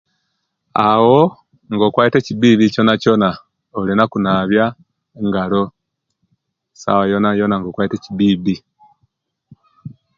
Aawo ngokwite kibibi kyonakyona oina kunaabya engalo sawa yonayona nga kwaite ekibibi.